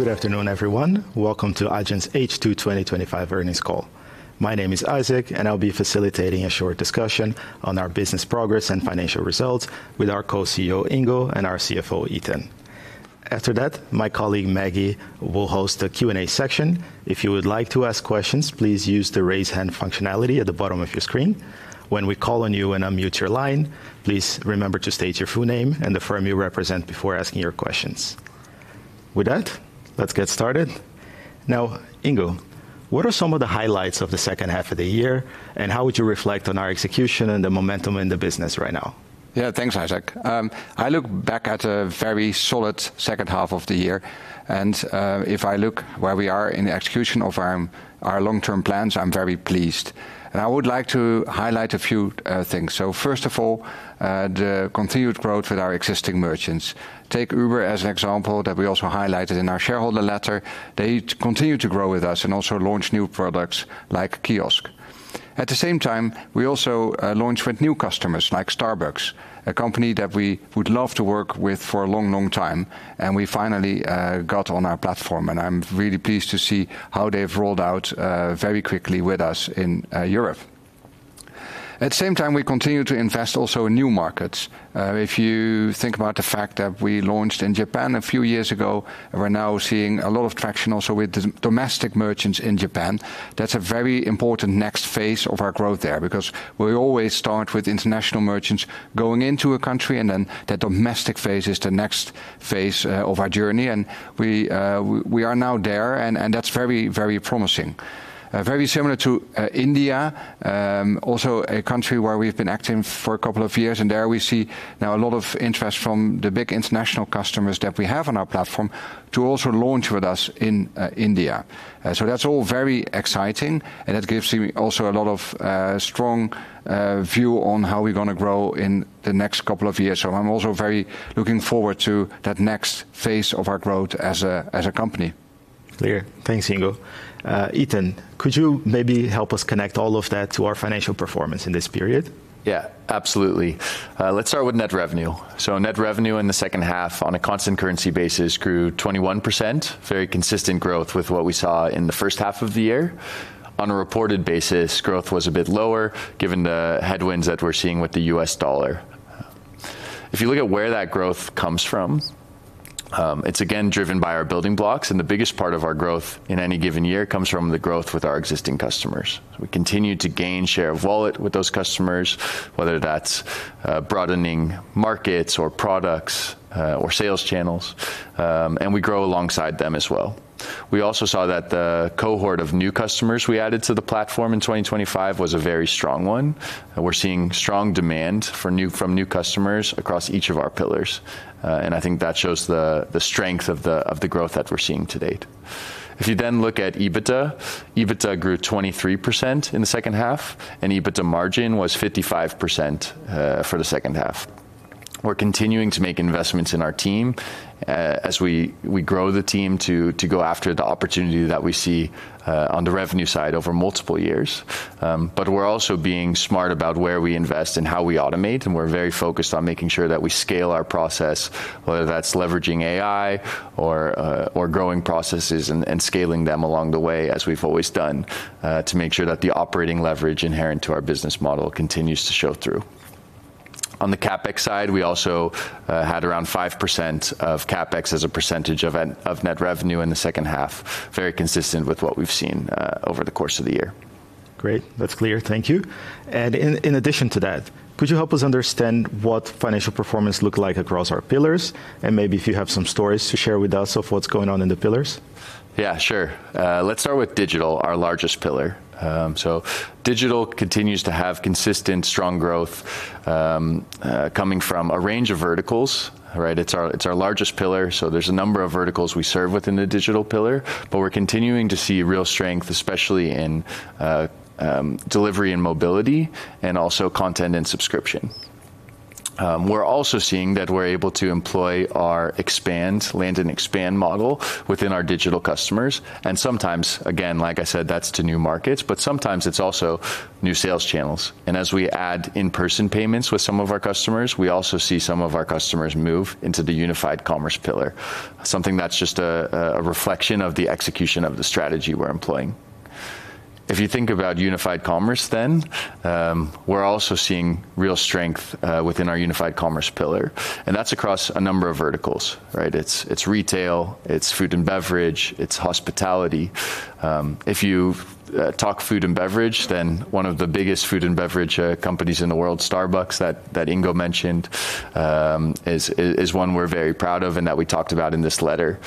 Good afternoon, everyone. Welcome to Adyen's H2 2025 earnings call. My name is Isaac, and I'll be facilitating a short discussion on our business progress and financial results with our Co-CEO, Ingo, and our CFO, Ethan. After that, my colleague, Maggie, will host a Q&A section. If you would like to ask questions, please use the Raise Hand functionality at the bottom of your screen. When we call on you and unmute your line, please remember to state your full name and the firm you represent before asking your questions. With that, let's get started. Now, Ingo, what are some of the highlights of the second half of the year, and how would you reflect on our execution and the momentum in the business right now? Yeah, thanks, Isaac. I look back at a very solid second half of the year, and if I look where we are in the execution of our long-term plans, I'm very pleased. I would like to highlight a few things. So first of all, the continued growth with our existing merchants. Take Uber as an example that we also highlighted in our shareholder letter. They continue to grow with us and also launch new products like Kiosk. At the same time, we also launched with new customers, like Starbucks, a company that we would love to work with for a long, long time, and we finally got on our platform. I'm really pleased to see how they've rolled out very quickly with us in Europe. At the same time, we continue to invest also in new markets. If you think about the fact that we launched in Japan a few years ago, we're now seeing a lot of traction also with the domestic merchants in Japan. That's a very important next phase of our growth there, because we always start with international merchants going into a country, and then the domestic phase is the next phase of our journey, and we are now there, and that's very, very promising. Very similar to India, also a country where we've been active for a couple of years, and there we see now a lot of interest from the big international customers that we have on our platform to also launch with us in India. So that's all very exciting, and it gives me also a lot of strong view on how we're gonna grow in the next couple of years. So I'm also very looking forward to that next phase of our growth as a company. Clear. Thanks, Ingo. Ethan, could you maybe help us connect all of that to our financial performance in this period? Yeah, absolutely. Let's start with net revenue. So net revenue in the second half, on a constant currency basis, grew 21%, very consistent growth with what we saw in the first half of the year. On a reported basis, growth was a bit lower, given the headwinds that we're seeing with the U.S. dollar. If you look at where that growth comes from, it's again driven by our building blocks, and the biggest part of our growth in any given year comes from the growth with our existing customers. We continue to gain share of wallet with those customers, whether that's broadening markets or products or sales channels, and we grow alongside them as well. We also saw that the cohort of new customers we added to the platform in 2025 was a very strong one. We're seeing strong demand for new from new customers across each of our pillars, and I think that shows the strength of the growth that we're seeing to date. If you then look at EBITDA, EBITDA grew 23% in the second half, and EBITDA margin was 55% for the second half. We're continuing to make investments in our team, as we grow the team to go after the opportunity that we see on the revenue side over multiple years. But we're also being smart about where we invest and how we automate, and we're very focused on making sure that we scale our process, whether that's leveraging AI or growing processes and scaling them along the way, as we've always done, to make sure that the operating leverage inherent to our business model continues to show through. On the CapEx side, we also had around 5% of CapEx as a percentage of net revenue in the second half, very consistent with what we've seen over the course of the year. Great. That's clear. Thank you. And in addition to that, could you help us understand what financial performance look like across our pillars? And maybe if you have some stories to share with us of what's going on in the pillars. Yeah, sure. Let's start with digital, our largest pillar. So digital continues to have consistent, strong growth, coming from a range of verticals, right? It's our largest pillar, so there's a number of verticals we serve within the digital pillar, but we're continuing to see real strength, especially in delivery and mobility, and also content and subscription. We're also seeing that we're able to employ our land and expand model within our digital customers, and sometimes, again, like I said, that's to new markets, but sometimes it's also new sales channels. And as we add in-person payments with some of our customers, we also see some of our customers move into the unified commerce pillar, something that's just a reflection of the execution of the strategy we're employing. If you think about Unified Commerce, then we're also seeing real strength within our Unified Commerce pillar, and that's across a number of verticals, right? It's retail, it's food and beverage, it's hospitality. If you talk food and beverage, then one of the biggest food and beverage companies in the world, Starbucks, that Ingo mentioned, is one we're very proud of and that we talked about in this letter.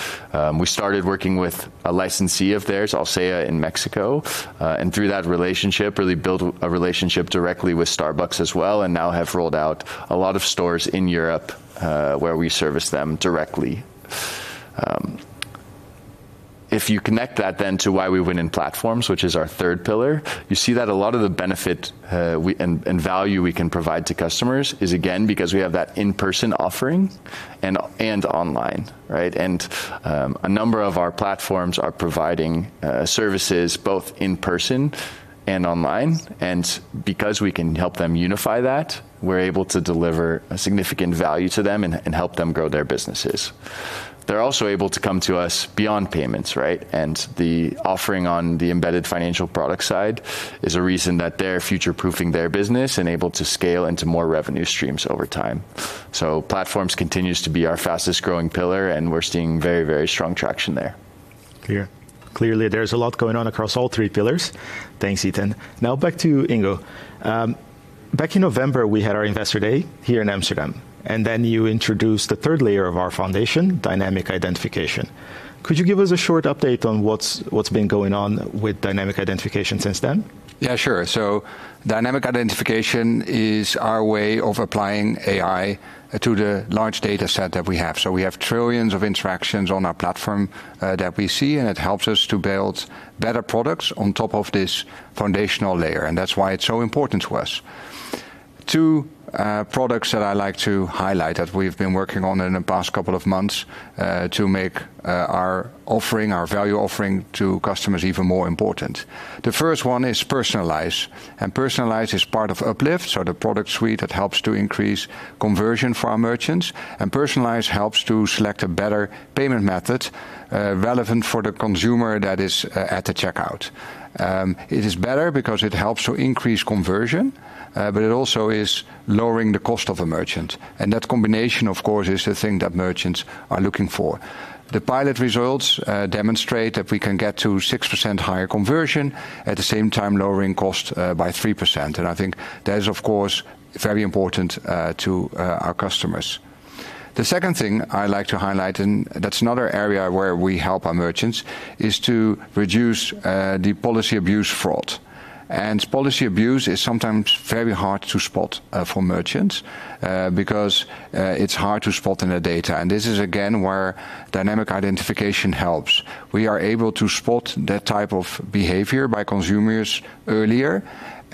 We started working with a licensee of theirs, Alsea, in Mexico, and through that relationship, really built a relationship directly with Starbucks as well, and now have rolled out a lot of stores in Europe, where we service them directly. If you connect that then to why we win in Platforms, which is our third pillar, you see that a lot of the benefit we... and value we can provide to customers is, again, because we have that in-person offering and online, right? And a number of our Platforms are providing services both in person and online, and because we can help them unify that, we're able to deliver a significant value to them and help them grow their businesses. They're also able to come to us beyond payments, right? And the offering on the embedded financial products side is a reason that they're future-proofing their business and able to scale into more revenue streams over time. So Platforms continues to be our fastest-growing pillar, and we're seeing very, very strong traction there. Clear. Clearly, there's a lot going on across all three pillars. Thanks, Ethan. Now back to Ingo. Back in November, we had our Investor Day here in Amsterdam, and then you introduced the third layer of our foundation, Dynamic Identification. Could you give us a short update on what's been going on with Dynamic Identification since then? Yeah, sure. So Dynamic Identification is our way of applying AI to the large data set that we have. So we have trillions of interactions on our platform that we see, and it helps us to build better products on top of this foundational layer, and that's why it's so important to us. Two products that I like to highlight, that we've been working on in the past couple of months to make our offering, our value offering to customers even more important. The first one is Personalize, and Personalize is part of Uplift, so the product suite that helps to increase conversion for our merchants. And Personalize helps to select a better payment method relevant for the consumer that is at the checkout. It is better because it helps to increase conversion, but it also is lowering the cost of a merchant, and that combination, of course, is the thing that merchants are looking for. The pilot results demonstrate that we can get to 6% higher conversion, at the same time lowering cost by 3%, and I think that is, of course, very important to our customers. The second thing I like to highlight, and that's another area where we help our merchants, is to reduce the policy abuse fraud. And policy abuse is sometimes very hard to spot for merchants because it's hard to spot in the data, and this is again, where Dynamic Identification helps. We are able to spot that type of behavior by consumers earlier,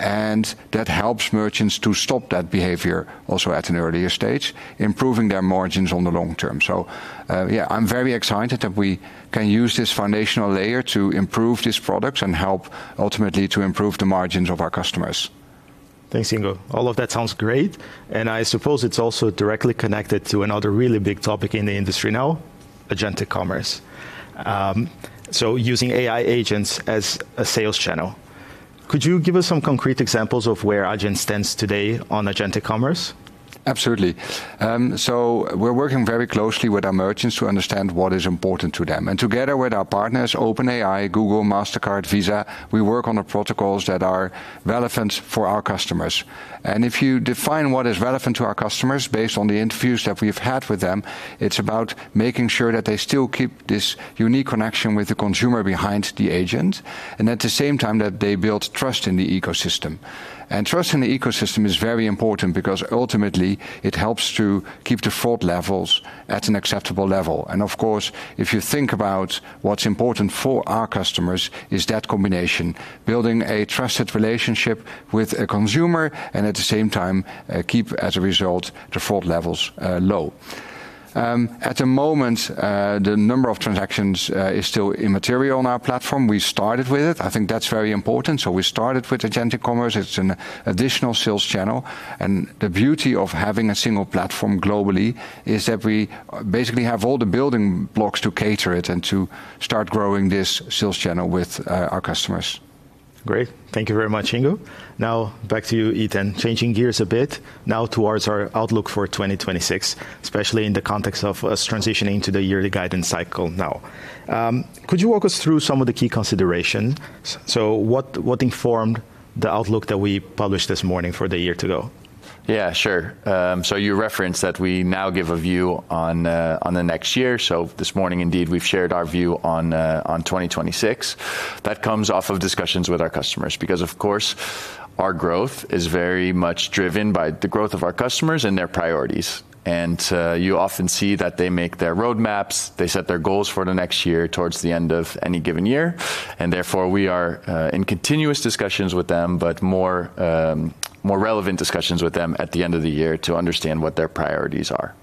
and that helps merchants to stop that behavior also at an earlier stage, improving their margins on the long term. So, yeah, I'm very excited that we can use this foundational layer to improve these products and help ultimately to improve the margins of our customers. Thanks, Ingo. All of that sounds great, and I suppose it's also directly connected to another really big topic in the industry now, Agentic Commerce. So using AI agents as a sales channel, could you give us some concrete examples of where Adyen stands today on Agentic Commerce? Absolutely. So we're working very closely with our merchants to understand what is important to them, and together with our partners, OpenAI, Google, Mastercard, Visa, we work on the protocols that are relevant for our customers. If you define what is relevant to our customers based on the interviews that we've had with them, it's about making sure that they still keep this unique connection with the consumer behind the agent, and at the same time, that they build trust in the ecosystem. Trust in the ecosystem is very important because ultimately it helps to keep default levels at an acceptable level. Of course, if you think about what's important for our customers, is that combination, building a trusted relationship with a consumer and, at the same time, keep as a result, default levels low. At the moment, the number of transactions is still immaterial on our platform. We started with it. I think that's very important, so we started with Agentic Commerce. It's an additional sales channel, and the beauty of having a single platform globally is that we basically have all the building blocks to cater it and to start growing this sales channel with our customers. Great. Thank you very much, Ingo. Now back to you, Ethan. Changing gears a bit now towards our outlook for 2026, especially in the context of us transitioning to the yearly guidance cycle now. Could you walk us through some of the key consideration? So what, what informed the outlook that we published this morning for the year to go? Yeah, sure. So you referenced that we now give a view on the next year. So this morning, indeed, we've shared our view on 2026. That comes off of discussions with our customers because, of course, our growth is very much driven by the growth of our customers and their priorities. And you often see that they make their roadmaps, they set their goals for the next year towards the end of any given year, and therefore, we are in continuous discussions with them, but more relevant discussions with them at the end of the year to understand what their priorities are.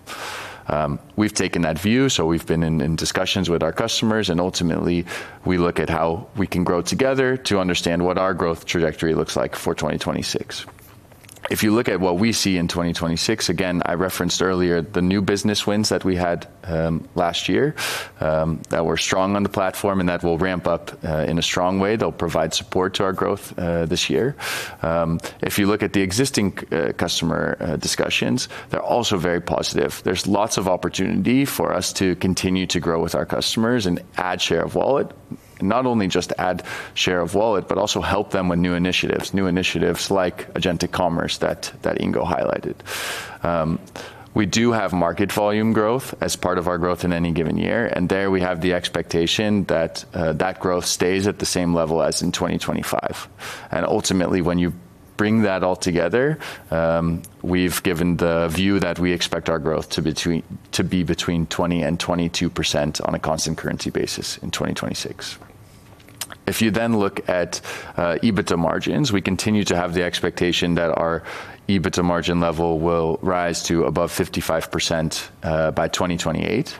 We've taken that view, so we've been in discussions with our customers, and ultimately, we look at how we can grow together to understand what our growth trajectory looks like for 2026. If you look at what we see in 2026, again, I referenced earlier the new business wins that we had last year that were strong on the platform and that will ramp up in a strong way. They'll provide support to our growth this year. If you look at the existing customer discussions, they're also very positive. There's lots of opportunity for us to continue to grow with our customers and add share of wallet. Not only just add share of wallet, but also help them with new initiatives, new initiatives like agentic commerce, that Ingo highlighted. We do have market volume growth as part of our growth in any given year, and there we have the expectation that that growth stays at the same level as in 2025. Ultimately, when you bring that all together, we've given the view that we expect our growth to be between 20% and 22% on a constant currency basis in 2026. If you then look at EBITDA margins, we continue to have the expectation that our EBITDA margin level will rise to above 55% by 2028.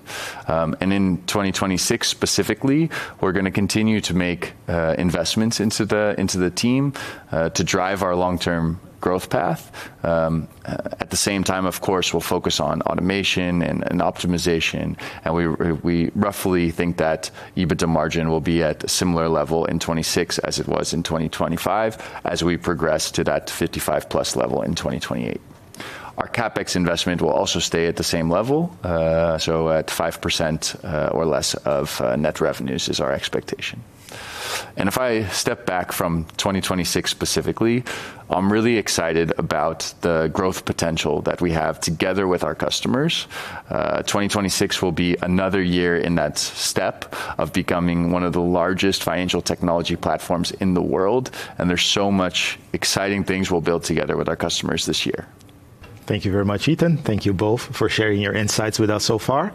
And in 2026 specifically, we're gonna continue to make investments into the team to drive our long-term growth path. At the same time, of course, we'll focus on automation and optimization, and we roughly think that EBITDA margin will be at a similar level in 2026 as it was in 2025 as we progress to that 55%+ level in 2028. Our CapEx investment will also stay at the same level, so at 5% or less of net revenues is our expectation. And if I step back from 2026 specifically, I'm really excited about the growth potential that we have together with our customers. 2026 will be another year in that step of becoming one of the largest financial technology platforms in the world, and there's so much exciting things we'll build together with our customers this year. Thank you very much, Ethan. Thank you both for sharing your insights with us so far.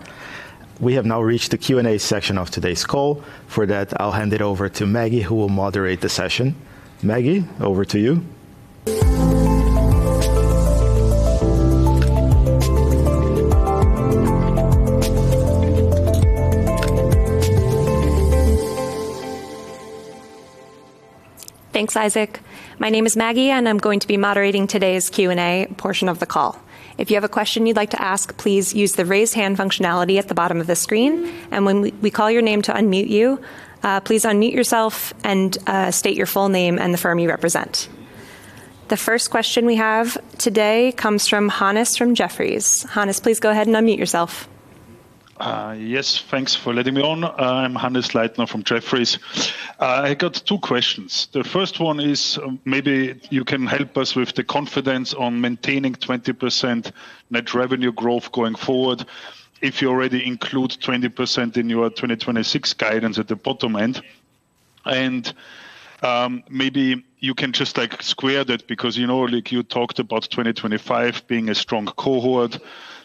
We have now reached the Q&A section of today's call. For that, I'll hand it over to Maggie, who will moderate the session. Maggie, over to you. Thanks, Isaac. My name is Maggie, and I'm going to be moderating today's Q and A portion of the call. If you have a question you'd like to ask, please use the Raise Hand functionality at the bottom of the screen, and when we call your name to unmute you, please unmute yourself and state your full name and the firm you represent. The first question we have today comes from Hannes, from Jefferies. Hannes, please go ahead and unmute yourself. Yes, thanks for letting me on. I'm Hannes Leitner from Jefferies. I got two questions. The first one is, maybe you can help us with the confidence on maintaining 20% net revenue growth going forward if you already include 20% in your 2026 guidance at the bottom end. And maybe you can just, like, square that, because, you know, like, you talked about 2025 being a strong cohort.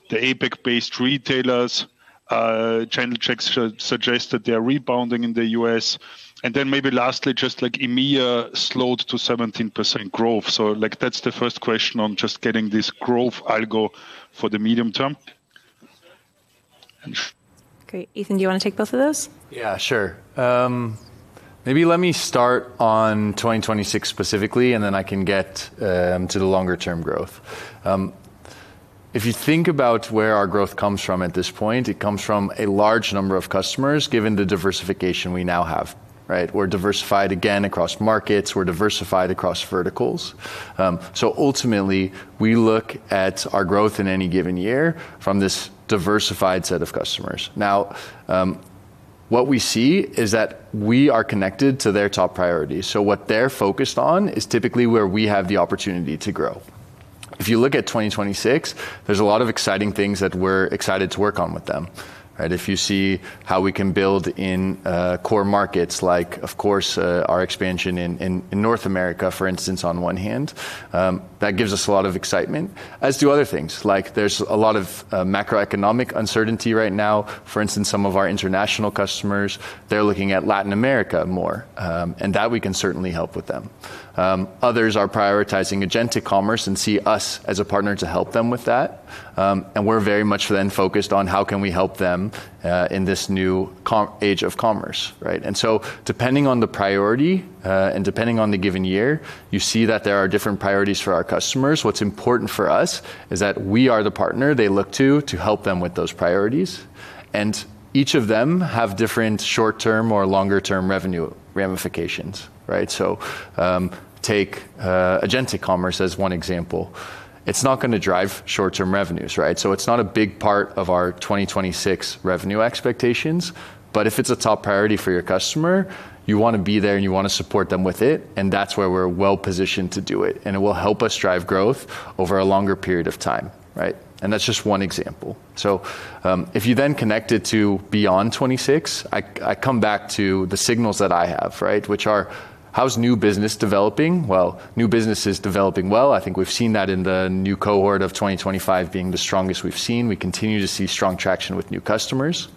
The APAC-based retailers, channel checks suggest that they are rebounding in the U.S. And then maybe lastly, just like EMEA slowed to 17% growth. So, like, that's the first question on just getting this growth algo for the medium term. Great. Ethan, do you want to take both of those? Yeah, sure. Maybe let me start on 2026 specifically, and then I can get to the longer-term growth. If you think about where our growth comes from at this point, it comes from a large number of customers, given the diversification we now have, right? We're diversified again across markets. We're diversified across verticals. So ultimately, we look at our growth in any given year from this diversified set of customers. Now, what we see is that we are connected to their top priorities, so what they're focused on is typically where we have the opportunity to grow. If you look at 2026, there's a lot of exciting things that we're excited to work on with them, right? If you see how we can build in core markets, like, of course, our expansion in North America, for instance, on one hand, that gives us a lot of excitement, as do other things. Like, there's a lot of macroeconomic uncertainty right now. For instance, some of our international customers, they're looking at Latin America more, and that we can certainly help with them. Others are prioritizing Agentic Commerce and see us as a partner to help them with that. And we're very much then focused on: How can we help them in this new commerce age of commerce, right? And so depending on the priority, and depending on the given year, you see that there are different priorities for our customers. What's important for us is that we are the partner they look to to help them with those priorities, and each of them have different short-term or longer-term revenue ramifications, right? So, take Agentic Commerce as one example. It's not gonna drive short-term revenues, right? So it's not a big part of our 2026 revenue expectations, but if it's a top priority for your customer, you want to be there, and you want to support them with it, and that's where we're well-positioned to do it, and it will help us drive growth over a longer period of time, right? And that's just one example. So, if you then connect it to beyond 2026, I, I come back to the signals that I have, right? Which are: How's new business developing? Well, new business is developing well. I think we've seen that in the new cohort of 2025 being the strongest we've seen. We continue to see strong traction with new customers.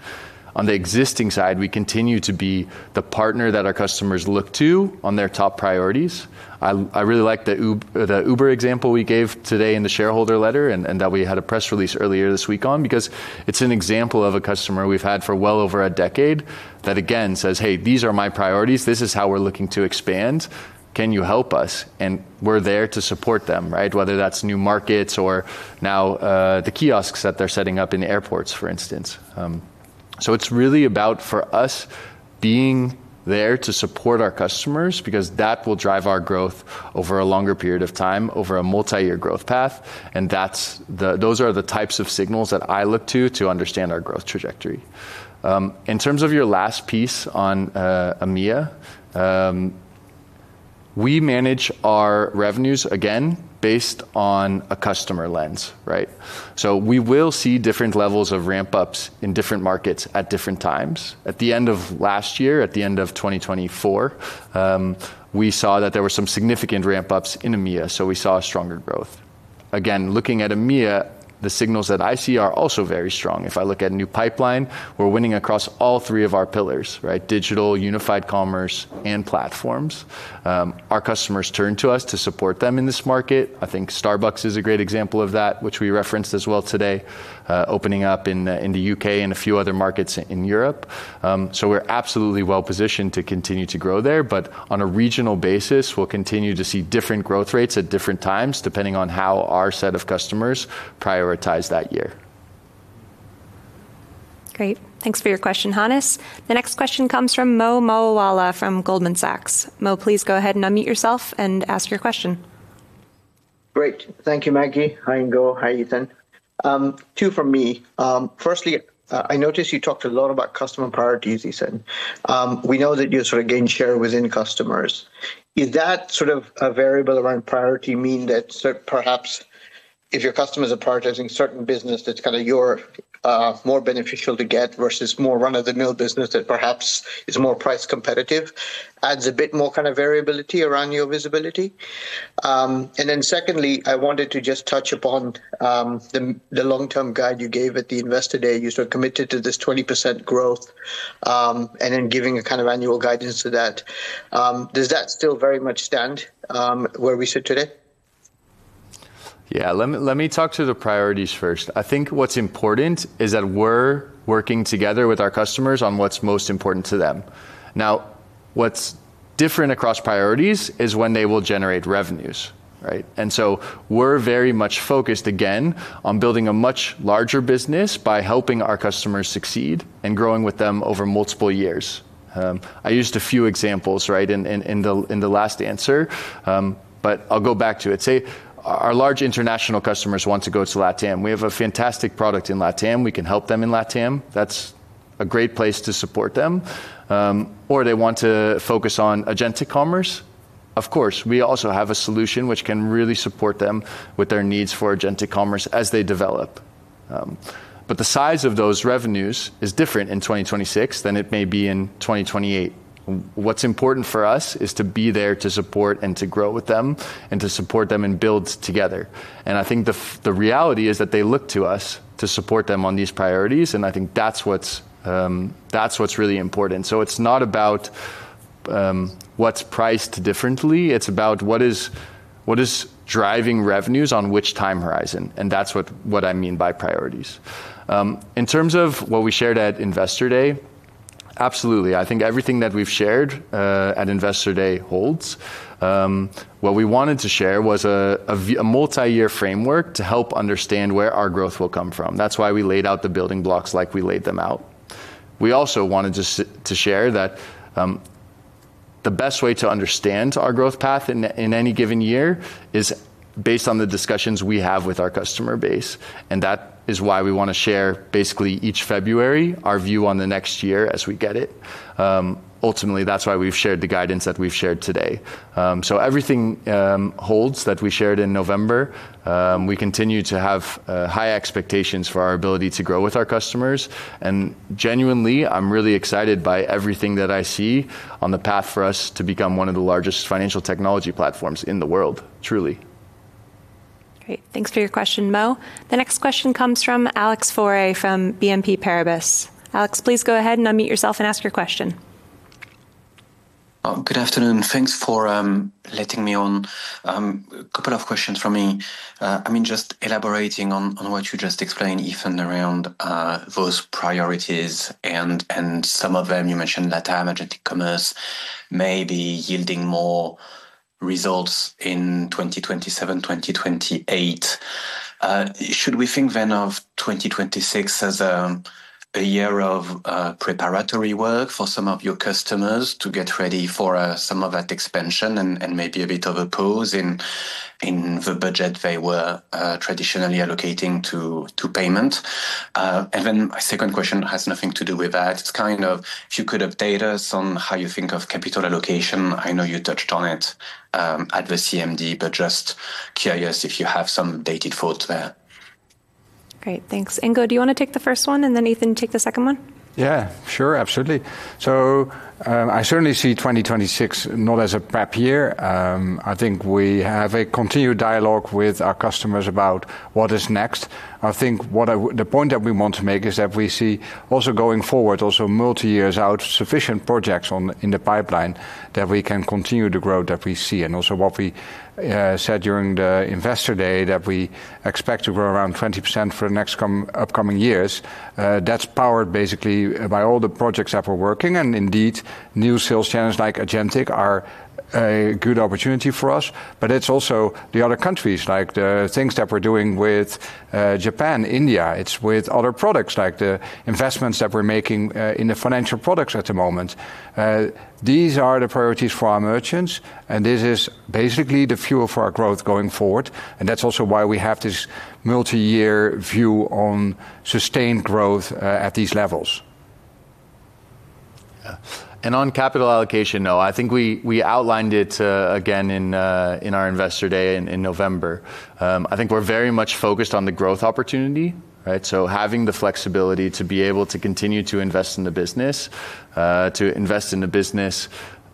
On the existing side, we continue to be the partner that our customers look to on their top priorities. I, I really like the Uber example we gave today in the shareholder letter, and that we had a press release earlier this week on, because it's an example of a customer we've had for well over a decade that, again, says, "Hey, these are my priorities. This is how we're looking to expand. Can you help us?" And we're there to support them, right? Whether that's new markets or now, the kiosks that they're setting up in airports, for instance. So it's really about, for us, being there to support our customers because that will drive our growth over a longer period of time, over a multi-year growth path, and that's the... Those are the types of signals that I look to to understand our growth trajectory. In terms of your last piece on EMEA, we manage our revenues, again, based on a customer lens, right? So we will see different levels of ramp-ups in different markets at different times. At the end of last year, at the end of 2024, we saw that there were some significant ramp-ups in EMEA, so we saw a stronger growth. Again, looking at EMEA, the signals that I see are also very strong. If I look at new pipeline, we're winning across all three of our pillars, right? Digital, Unified Commerce, and Platforms. Our customers turn to us to support them in this market. I think Starbucks is a great example of that, which we referenced as well today, opening up in the UK and a few other markets in Europe. So we're absolutely well-positioned to continue to grow there, but on a regional basis, we'll continue to see different growth rates at different times, depending on how our set of customers prioritize that year.... Great. Thanks for your question, Hannes. The next question comes from Mo Moawalla from Goldman Sachs. Mo, please go ahead and unmute yourself and ask your question. Great. Thank you, Maggie. Hi, Ingo. Hi, Ethan. Two from me. Firstly, I noticed you talked a lot about customer priorities, Ethan. We know that you sort of gain share within customers. Is that sort of a variable around priority mean that perhaps if your customers are prioritizing certain business, that's kinda your more beneficial to get versus more run-of-the-mill business that perhaps is more price competitive, adds a bit more kind of variability around your visibility? And then secondly, I wanted to just touch upon the long-term guide you gave at the Investor Day. You sort of committed to this 20% growth, and then giving a kind of annual guidance to that. Does that still very much stand where we sit today? Yeah, let me talk to the priorities first. I think what's important is that we're working together with our customers on what's most important to them. Now, what's different across priorities is when they will generate revenues, right? And so we're very much focused, again, on building a much larger business by helping our customers succeed and growing with them over multiple years. I used a few examples, right, in the last answer, but I'll go back to it. Say, our large international customers want to go to LATAM. We have a fantastic product in LATAM. We can help them in LATAM. That's a great place to support them. Or they want to focus on agentic commerce. Of course, we also have a solution which can really support them with their needs for agentic commerce as they develop. But the size of those revenues is different in 2026 than it may be in 2028. What's important for us is to be there to support and to grow with them and to support them and build together. And I think the reality is that they look to us to support them on these priorities, and I think that's what's really important. So it's not about what's priced differently, it's about what is driving revenues on which time horizon, and that's what I mean by priorities. In terms of what we shared at Investor Day, absolutely. I think everything that we've shared at Investor Day holds. What we wanted to share was a multi-year framework to help understand where our growth will come from. That's why we laid out the building blocks like we laid them out. We also wanted to share that the best way to understand our growth path in any given year is based on the discussions we have with our customer base, and that is why we wanna share basically each February our view on the next year as we get it. Ultimately, that's why we've shared the guidance that we've shared today. So everything holds that we shared in November. We continue to have high expectations for our ability to grow with our customers. And genuinely, I'm really excited by everything that I see on the path for us to become one of the largest financial technology platforms in the world. Truly. Great. Thanks for your question, Mo. The next question comes from Alex Faure from BNP Paribas. Alex, please go ahead and unmute yourself and ask your question. Good afternoon. Thanks for letting me on. A couple of questions from me. I mean, just elaborating on what you just explained, Ethan, around those priorities, and some of them, you mentioned LATAM, agentic commerce, may be yielding more results in 2027, 2028. Should we think then of 2026 as a year of preparatory work for some of your customers to get ready for some of that expansion and maybe a bit of a pause in the budget they were traditionally allocating to payment? And then my second question has nothing to do with that. It's kind of if you could update us on how you think of capital allocation. I know you touched on it at the CMD, but just curious if you have some updated thought there. Great, thanks. Ingo, do you wanna take the first one, and then, Ethan, take the second one? Yeah. Sure. Absolutely. So, I certainly see 2026 not as a prep year. I think we have a continued dialogue with our customers about what is next. I think the point that we want to make is that we see also going forward, also multi-years out, sufficient projects on, in the pipeline, that we can continue the growth that we see. And also what we said during the Investor Day, that we expect to grow around 20% for the next upcoming years. That's powered basically by all the projects that we're working, and indeed, new sales channels like agentic are a good opportunity for us, but it's also the other countries, like the things that we're doing with Japan, India. It's with other products, like the investments that we're making in the financial products at the moment. These are the priorities for our merchants, and this is basically the fuel for our growth going forward, and that's also why we have this multi-year view on sustained growth at these levels. Yeah. And on capital allocation, no, I think we outlined it again in our Investor Day in November. I think we're very much focused on the growth opportunity, right? So having the flexibility to be able to continue to invest in the business to invest in the business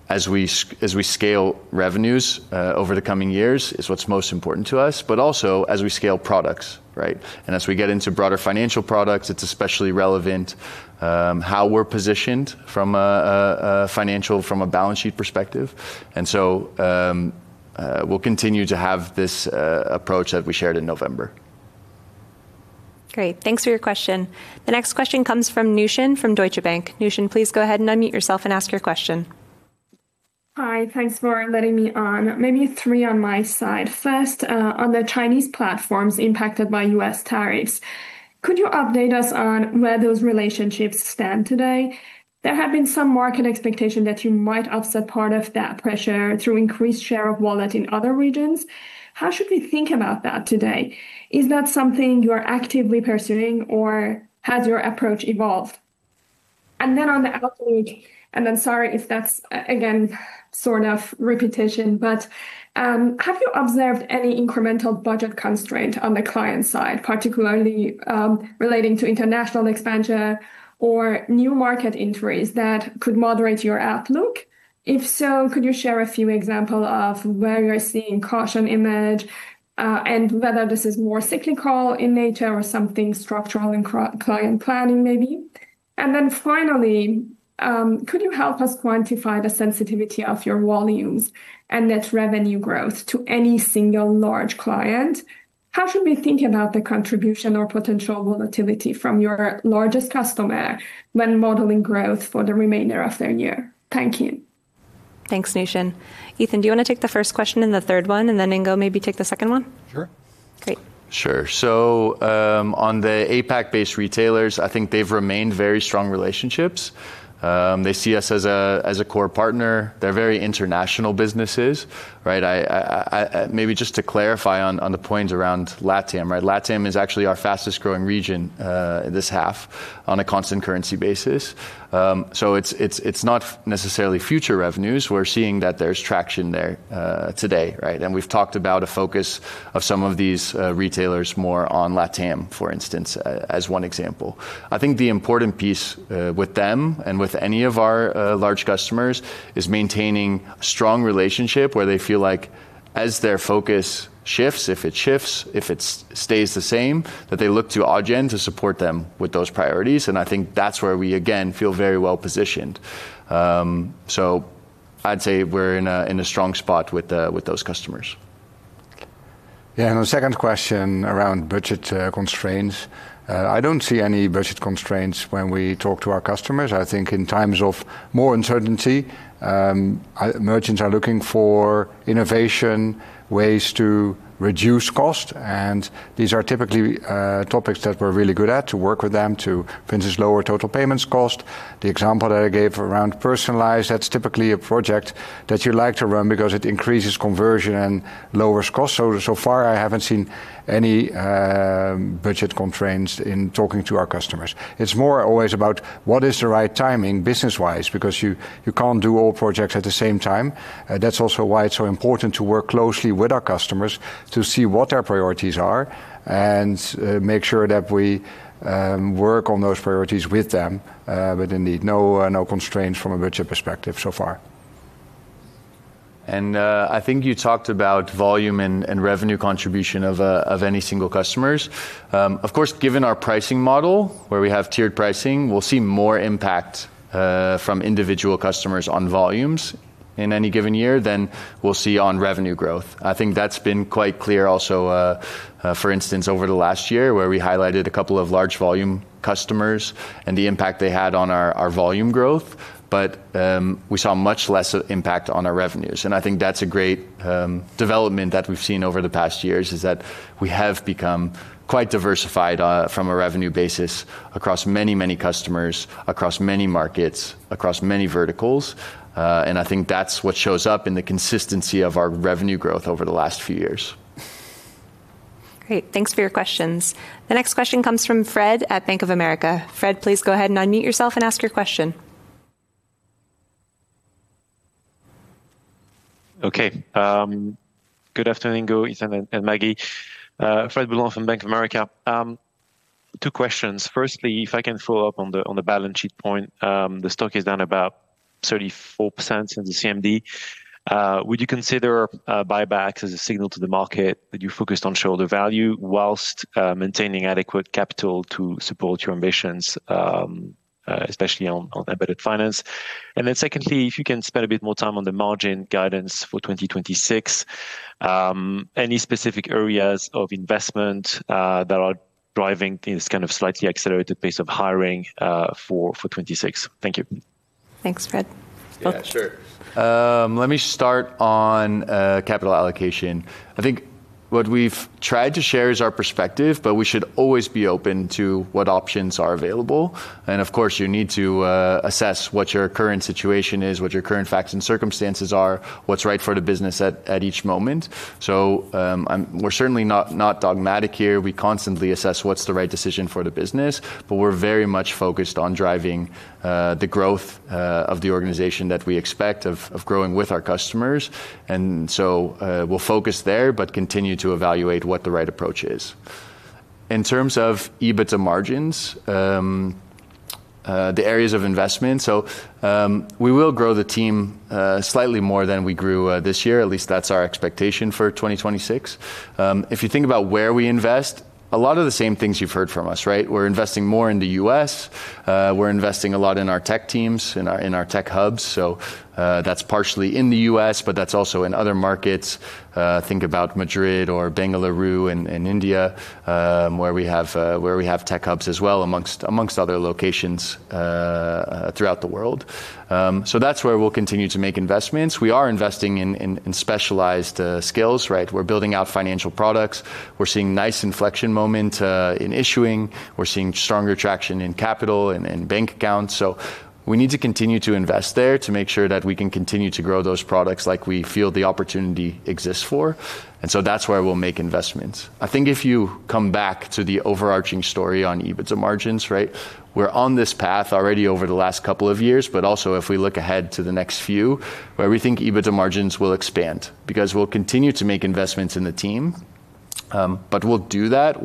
as we scale revenues over the coming years is what's most important to us, but also as we scale products, right? And as we get into broader financial products, it's especially relevant how we're positioned from a financial from a balance sheet perspective. And so, we'll continue to have this approach that we shared in November. Great. Thanks for your question. The next question comes from Nooshin from Deutsche Bank. Nooshin, please go ahead and unmute yourself and ask your question. .Hi, thanks for letting me on. Maybe three on my side. First, on the Chinese platforms impacted by U.S. tariffs, could you update us on where those relationships stand today? There have been some market expectation that you might offset part of that pressure through increased share of wallet in other regions. How should we think about that today? Is that something you are actively pursuing, or has your approach evolved? And then on the outlook, and I'm sorry if that's, again, sort of repetition, but, have you observed any incremental budget constraint on the client side, particularly, relating to international expansion or new market entries that could moderate your outlook? If so, could you share a few example of where you're seeing caution emerge, and whether this is more cyclical in nature or something structural in client planning, maybe? And then finally, could you help us quantify the sensitivity of your volumes and net revenue growth to any single large client? How should we think about the contribution or potential volatility from your largest customer when modeling growth for the remainder of the year? Thank you. Thanks, Nooshin. Ethan, do you want to take the first question and the third one, and then, Ingo, maybe take the second one? Sure. Great. Sure. So, on the APAC-based retailers, I think they've remained very strong relationships. They see us as a core partner. They're very international businesses, right? Maybe just to clarify on the point around LATAM, right? LATAM is actually our fastest growing region, this half on a constant currency basis. So, it's not necessarily future revenues. We're seeing that there's traction there, today, right? And we've talked about a focus of some of these retailers more on LATAM, for instance, as one example. I think the important piece with them and with any of our large customers is maintaining a strong relationship where they feel like as their focus shifts, if it shifts, if it's stays the same, that they look to Adyen to support them with those priorities, and I think that's where we, again, feel very well positioned. So I'd say we're in a strong spot with those customers. Yeah, and on the second question around budget constraints, I don't see any budget constraints when we talk to our customers. I think in times of more uncertainty, merchants are looking for innovation, ways to reduce cost, and these are typically topics that we're really good at, to work with them to lower total payments cost. The example that I gave around personalized, that's typically a project that you like to run because it increases conversion and lowers cost. So, so far, I haven't seen any, budget constraints in talking to our customers. It's more always about what is the right timing business-wise, because you, you can't do all projects at the same time. That's also why it's so important to work closely with our customers to see what their priorities are, and make sure that we work on those priorities with them, but indeed, no, no constraints from a budget perspective so far. I think you talked about volume and revenue contribution of any single customers. Of course, given our pricing model, where we have tiered pricing, we'll see more impact from individual customers on volumes in any given year than we'll see on revenue growth. I think that's been quite clear also, for instance, over the last year, where we highlighted a couple of large volume customers and the impact they had on our volume growth, but we saw much less impact on our revenues. I think that's a great development that we've seen over the past years, is that we have become quite diversified from a revenue basis across many, many customers, across many markets, across many verticals, and I think that's what shows up in the consistency of our revenue growth over the last few years. Great. Thanks for your questions. The next question comes from Fred at Bank of America. Fred, please go ahead and unmute yourself and ask your question. Okay. Good afternoon, Ingo, Ethan, and, and Maggie. Fred Boulan from Bank of America. Two questions. Firstly, if I can follow up on the, on the balance sheet point, the stock is down about 34% since the CMD. Would you consider buybacks as a signal to the market, that you're focused on shareholder value, while maintaining adequate capital to support your ambitions, especially on, on embedded finance? And then secondly, if you can spend a bit more time on the margin guidance for 2026, any specific areas of investment that are driving this kind of slightly accelerated pace of hiring, for, for 2026? Thank you. Thanks, Fred. Yeah, sure. Let me start on capital allocation. I think what we've tried to share is our perspective, but we should always be open to what options are available. And of course, you need to assess what your current situation is, what your current facts and circumstances are, what's right for the business at each moment. So, we're certainly not dogmatic here. We constantly assess what's the right decision for the business, but we're very much focused on driving the growth of the organization that we expect of growing with our customers. And so, we'll focus there, but continue to evaluate what the right approach is. In terms of EBITDA margins, the areas of investment. So, we will grow the team slightly more than we grew this year. At least that's our expectation for 2026. If you think about where we invest, a lot of the same things you've heard from us, right? We're investing more in the U.S., we're investing a lot in our tech teams, in our tech hubs, so that's partially in the U.S., but that's also in other markets. Think about Madrid or Bengaluru in India, where we have tech hubs as well, among other locations throughout the world. So that's where we'll continue to make investments. We are investing in specialized skills, right? We're building out financial products. We're seeing nice inflection moment in issuing. We're seeing stronger traction in capital and bank accounts, so we need to continue to invest there to make sure that we can continue to grow those products like we feel the opportunity exists for, and so that's where we'll make investments. I think if you come back to the overarching story on EBITDA margins, right? We're on this path already over the last couple of years, but also if we look ahead to the next few, where we think EBITDA margins will expand, because we'll continue to make investments in the team. But we'll do that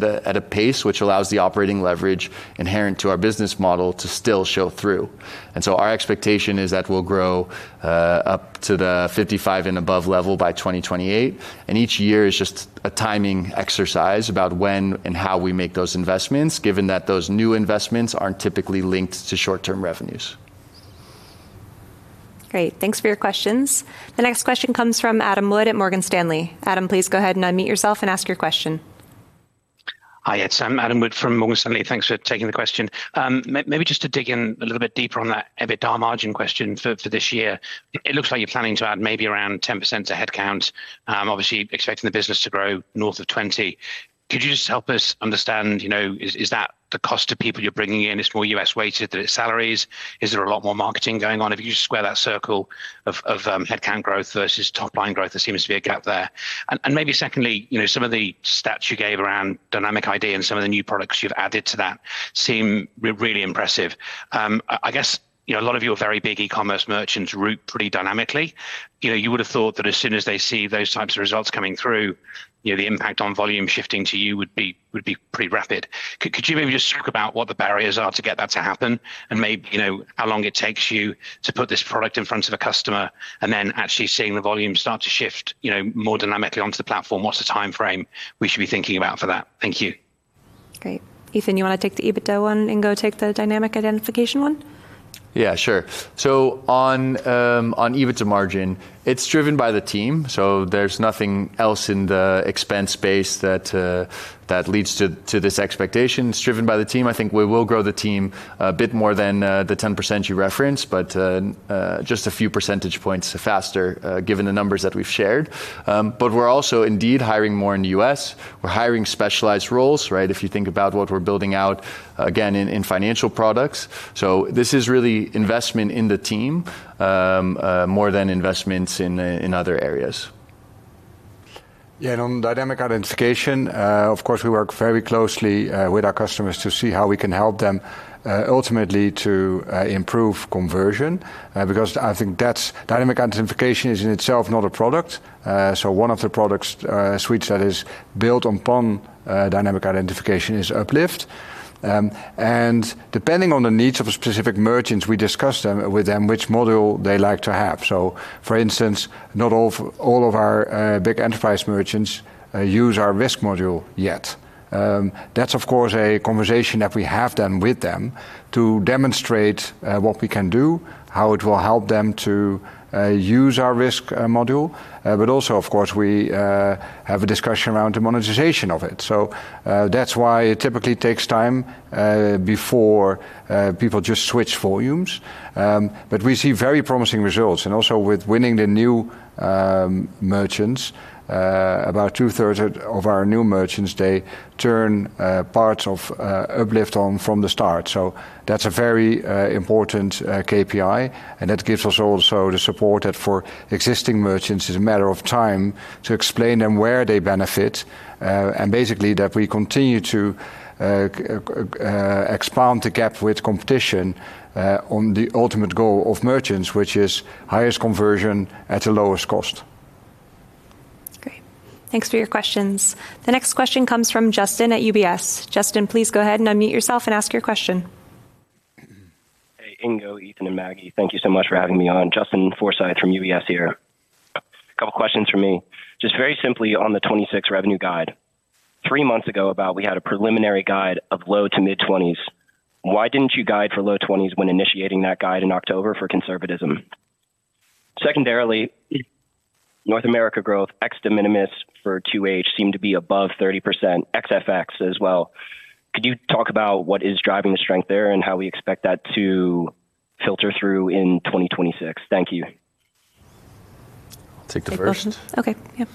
at a pace which allows the operating leverage inherent to our business model to still show through. And so our expectation is that we'll grow up to the 55 and above level by 2028, and each year is just a timing exercise about when and how we make those investments, given that those new investments aren't typically linked to short-term revenues. Great. Thanks for your questions. The next question comes from Adam Wood at Morgan Stanley. Adam, please go ahead and unmute yourself and ask your question. Hi, yeah, it's Adam Wood from Morgan Stanley. Thanks for taking the question. Maybe just to dig in a little bit deeper on that EBITDA margin question for this year. It looks like you're planning to add maybe around 10% to headcount, obviously expecting the business to grow north of 20%. Could you just help us understand, you know, is that the cost of people you're bringing in, it's more U.S., weighted, that it's salaries? Is there a lot more marketing going on? If you square that circle of headcount growth versus top line growth, there seems to be a gap there. And maybe secondly, you know, some of the stats you gave around dynamic ID and some of the new products you've added to that seem really impressive. I guess, you know, a lot of your very big e-commerce merchants route pretty dynamically. You know, you would have thought that as soon as they see those types of results coming through, you know, the impact on volume shifting to you would be pretty rapid. Could you maybe just talk about what the barriers are to get that to happen, and maybe, you know, how long it takes you to put this product in front of a customer, and then actually seeing the volume start to shift, you know, more dynamically onto the platform? What's the time frame we should be thinking about for that? Thank you. Great. Ethan, you wanna take the EBITDA one, and Ingo take the Dynamic Identification one? Yeah, sure. So on, on EBITDA margin, it's driven by the team, so there's nothing else in the expense base that, that leads to, to this expectation. It's driven by the team. I think we will grow the team a bit more than, the ten percent you referenced, but, just a few percentage points faster, given the numbers that we've shared. But we're also indeed hiring more in the U.S. We're hiring specialized roles, right? If you think about what we're building out, again, in, in financial products. So this is really investment in the team, more than investments in, in other areas. Yeah, and on Dynamic Identification, of course, we work very closely with our customers to see how we can help them ultimately to improve conversion. Because I think that's... Dynamic Identification is in itself not a product. So one of the product suites that is built upon Dynamic Identification is Uplift. And depending on the needs of a specific merchant, we discuss with them which module they like to have. So for instance, not all of our big enterprise merchants use our risk module yet. That's, of course, a conversation that we have then with them to demonstrate what we can do, how it will help them to use our risk module. But also, of course, we have a discussion around the monetization of it. So, that's why it typically takes time before people just switch volumes. But we see very promising results, and also with winning the new merchants. About two-thirds of our new merchants, they turn parts of Uplift on from the start. So that's a very important KPI, and it gives us also the support that for existing merchants, it's a matter of time to explain them where they benefit, and basically, that we continue to expand the gap with competition on the ultimate goal of merchants, which is highest conversion at the lowest cost. Great. Thanks for your questions. The next question comes from Justin at UBS. Justin, please go ahead and unmute yourself and ask your question. Hey, Ingo, Ethan, and Maggie, thank you so much for having me on. Justin Forsythe from UBS here. A couple questions from me. Just very simply on the 2026 revenue guide. Three months ago, about we had a preliminary guide of low-to-mid 20s. Why didn't you guide for low 20s when initiating that guide in October for conservatism? Secondarily, North America growth ex de minimis for 2H seemed to be above 30%, ex FX as well. Could you talk about what is driving the strength there, and how we expect that to filter through in 2026? Thank you. I'll take the first. Okay. Yep.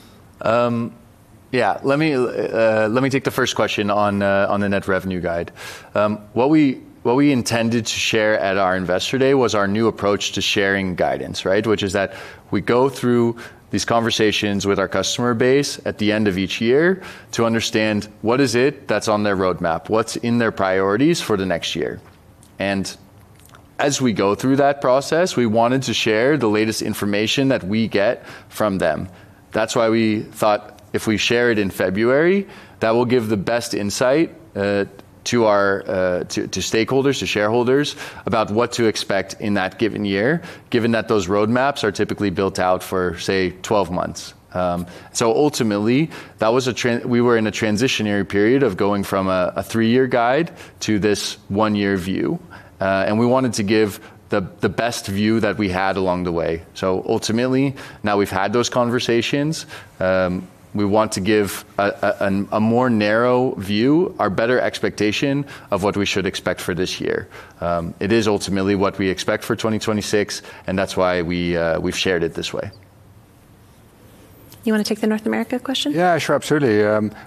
Yeah, let me, let me take the first question on the, on the Net Revenue guide. What we, what we intended to share at our Investor Day was our new approach to sharing guidance, right? Which is that we go through these conversations with our customer base at the end of each year to understand what is it that's on their roadmap, what's in their priorities for the next year, and as we go through that process, we wanted to share the latest information that we get from them. That's why we thought if we share it in February, that will give the best insight, to our, to, to stakeholders, to shareholders, about what to expect in that given year, given that those roadmaps are typically built out for, say, 12 months. So ultimately, that was a transitionary period of going from a three-year guide to this one-year view, and we wanted to give the best view that we had along the way. So ultimately, now we've had those conversations, we want to give a more narrow view, a better expectation of what we should expect for this year. It is ultimately what we expect for 2026, and that's why we've shared it this way. You want to take the North America question? Yeah, sure, absolutely.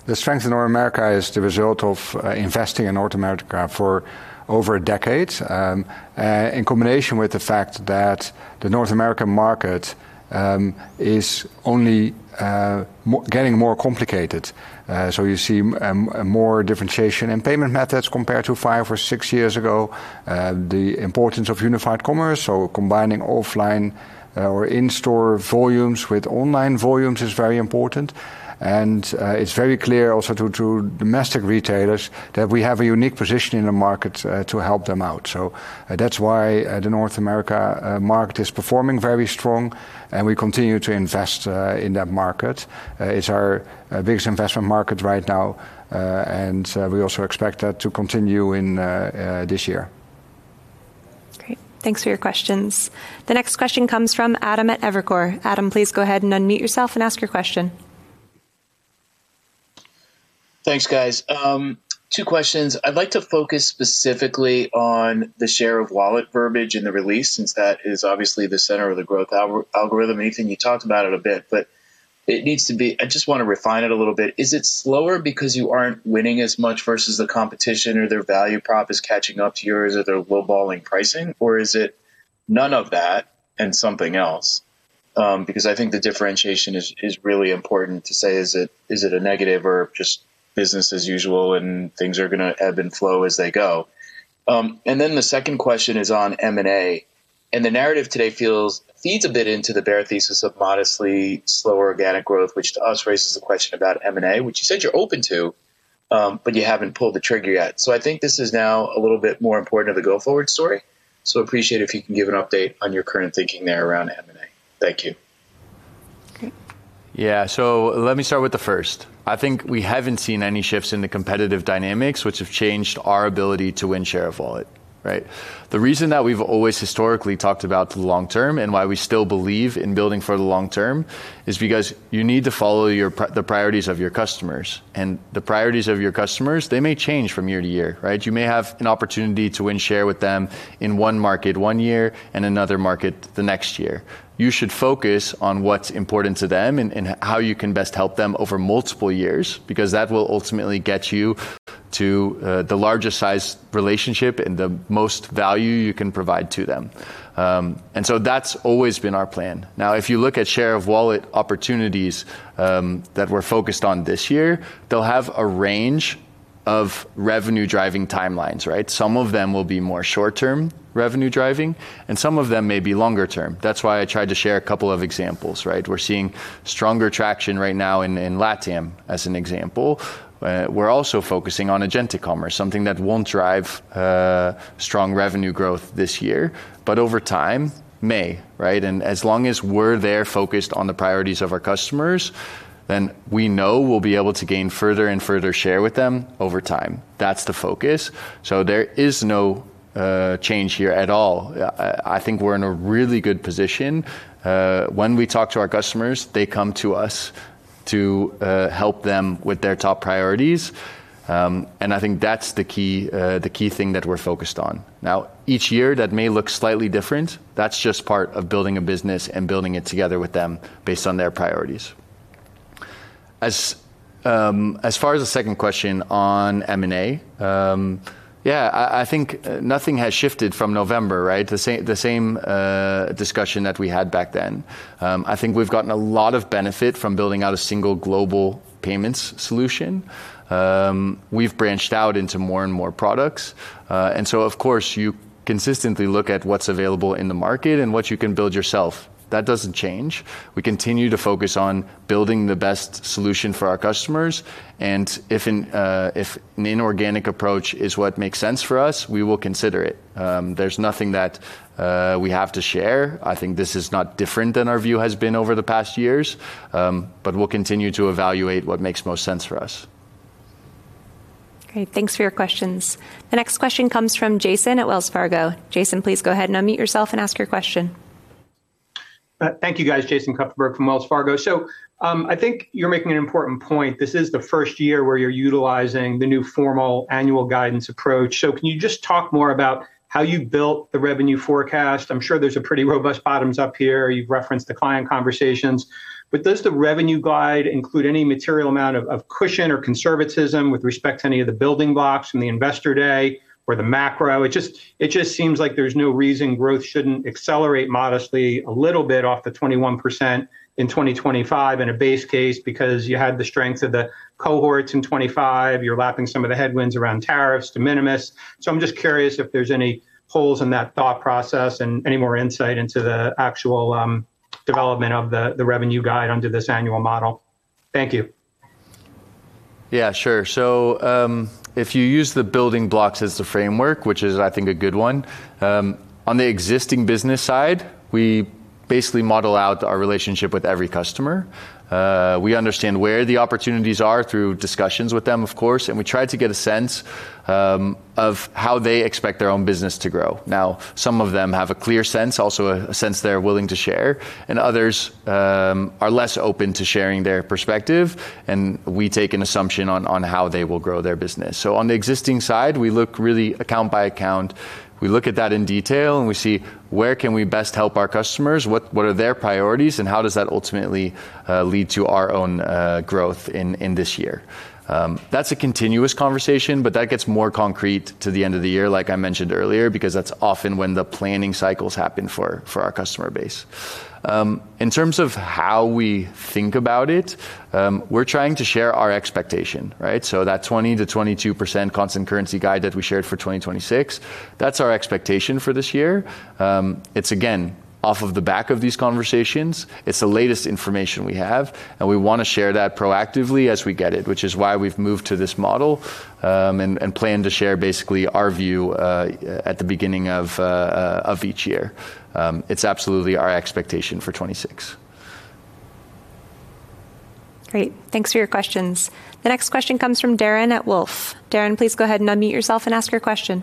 The strength in North America is the result of investing in North America for over a decade. In combination with the fact that the North American market is only getting more complicated. So you see more differentiation in payment methods compared to five or six years ago. The importance of Unified Commerce, so combining offline or in-store volumes with online volumes is very important. And it's very clear also to domestic retailers that we have a unique position in the market to help them out. So that's why the North America market is performing very strong, and we continue to invest in that market. It's our biggest investment market right now, and we also expect that to continue in this year. Great. Thanks for your questions. The next question comes from Adam at Evercore. Adam, please go ahead and unmute yourself and ask your question. Thanks, guys. Two questions. I'd like to focus specifically on the share of wallet verbiage in the release, since that is obviously the center of the growth algorithm. Ethan, you talked about it a bit, but it needs to be... I just want to refine it a little bit. Is it slower because you aren't winning as much versus the competition, or their value prop is catching up to yours, or they're low-balling pricing? Or is it none of that and something else? Because I think the differentiation is, is really important to say, is it, is it a negative or just business as usual, and things are going to ebb and flow as they go. And then the second question is on M&A, and the narrative today feeds a bit into the bear thesis of modestly slower organic growth, which to us raises a question about M&A, which you said you're open to, but you haven't pulled the trigger yet. I think this is now a little bit more important to the go-forward story. Appreciate if you can give an update on your current thinking there around M&A. Thank you. Okay. Yeah. So let me start with the first. I think we haven't seen any shifts in the competitive dynamics, which have changed our ability to win share of wallet, right? The reason that we've always historically talked about the long term, and why we still believe in building for the long term, is because you need to follow the priorities of your customers. And the priorities of your customers, they may change from year to year, right? You may have an opportunity to win share with them in one market one year and another market the next year. You should focus on what's important to them and how you can best help them over multiple years, because that will ultimately get you to the largest size relationship and the most value you can provide to them. And so that's always been our plan. Now, if you look at share of wallet opportunities, that we're focused on this year, they'll have a range of revenue-driving timelines, right? Some of them will be more short-term revenue driving, and some of them may be longer term. That's why I tried to share a couple of examples, right? We're seeing stronger traction right now in LATAM, as an example. We're also focusing on agentic commerce, something that won't drive strong revenue growth this year, but over time, may, right? And as long as we're there focused on the priorities of our customers, then we know we'll be able to gain further and further share with them over time. That's the focus. So there is no change here at all. I think we're in a really good position. When we talk to our customers, they come to us to help them with their top priorities, and I think that's the key, the key thing that we're focused on. Now, each year, that may look slightly different. That's just part of building a business and building it together with them based on their priorities. As far as the second question on M&A, yeah, I think nothing has shifted from November, right? The same, the same discussion that we had back then. I think we've gotten a lot of benefit from building out a single global payments solution. We've branched out into more and more products, and so, of course, you consistently look at what's available in the market and what you can build yourself. That doesn't change. We continue to focus on building the best solution for our customers, and if an inorganic approach is what makes sense for us, we will consider it. There's nothing that we have to share. I think this is not different than our view has been over the past years, but we'll continue to evaluate what makes most sense for us. Great. Thanks for your questions. The next question comes from Jason at Wells Fargo. Jason, please go ahead and unmute yourself and ask your question. Thank you, guys. Jason Kupferberg from Wells Fargo. So, I think you're making an important point. This is the first year where you're utilizing the new formal annual guidance approach. So can you just talk more about how you built the revenue forecast? I'm sure there's a pretty robust bottoms-up here. You've referenced the client conversations, but does the revenue guide include any material amount of cushion or conservatism with respect to any of the building blocks from the investor day or the macro? It just seems like there's no reason growth shouldn't accelerate modestly a little bit off the 21% in 2025 in a base case, because you had the strength of the cohorts in 2025. You're lapping some of the headwinds around tariffs, de minimis. I'm just curious if there's any holes in that thought process and any more insight into the actual development of the revenue guide under this annual model? Thank you. Yeah, sure. So, if you use the building blocks as the framework, which is, I think, a good one, on the existing business side, we basically model out our relationship with every customer. We understand where the opportunities are through discussions with them, of course, and we try to get a sense of how they expect their own business to grow. Now, some of them have a clear sense, also a sense they're willing to share, and others are less open to sharing their perspective, and we take an assumption on how they will grow their business. So on the existing side, we look really account by account. We look at that in detail, and we see: Where can we best help our customers? What are their priorities, and how does that ultimately lead to our own growth in this year? That's a continuous conversation, but that gets more concrete to the end of the year, like I mentioned earlier, because that's often when the planning cycles happen for our customer base. In terms of how we think about it, we're trying to share our expectation, right? So that 20%-22% constant currency guide that we shared for 2026, that's our expectation for this year. It's again, off of the back of these conversations, it's the latest information we have, and we want to share that proactively as we get it, which is why we've moved to this model, and plan to share basically our view at the beginning of each year. It's absolutely our expectation for 2026. Great. Thanks for your questions. The next question comes from Darrin at Wolfe. Darrin, please go ahead and unmute yourself and ask your question.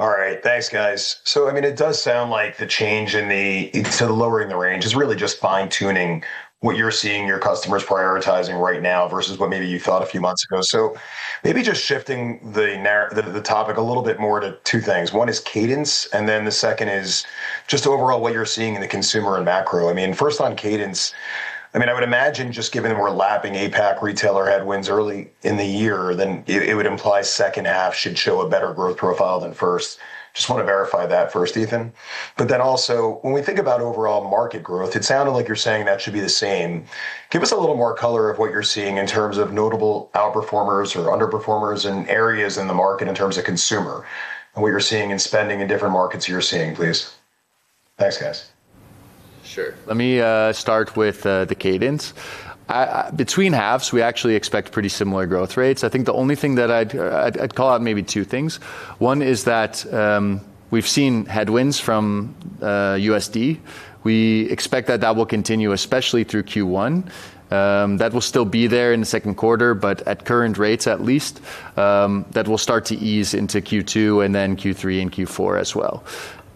All right. Thanks, guys. So, I mean, it does sound like the change in the, so lowering the range is really just fine-tuning what you're seeing your customers prioritizing right now versus what maybe you thought a few months ago. So maybe just shifting the topic a little bit more to two things. One is cadence, and then the second is just overall what you're seeing in the consumer and macro. I mean, first, on cadence, I mean, I would imagine, just given we're lapping APAC retailer headwinds early in the year, then it would imply second half should show a better growth profile than first. Just want to verify that first, Ethan. But then also, when we think about overall market growth, it sounded like you're saying that should be the same. Give us a little more color on what you're seeing in terms of notable outperformers or underperformers and areas in the market in terms of consumer and what you're seeing in spending in different markets you're seeing, please? Thanks, guys. Sure. Let me start with the cadence. Between halves, we actually expect pretty similar growth rates. I think the only thing that I'd call out maybe two things. One is that, we've seen headwinds from USD. We expect that that will continue, especially through Q1. That will still be there in the second quarter, but at current rates at least, that will start to ease into Q2 and then Q3 and Q4 as well.